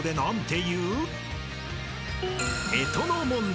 ［干支の問題］